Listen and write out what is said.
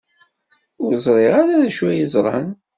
Ur ẓriɣ ara d acu ay ẓran.